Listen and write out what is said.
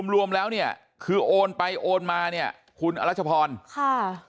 รวมแล้วคือโอนไปโอนมาคุณอรัชพรค่ะ